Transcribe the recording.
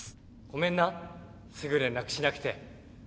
ごめんなすぐ連絡しなくて。